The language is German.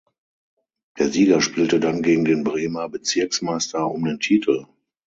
Der Sieger spielte dann gegen den Bremer Bezirksmeister um den Titel.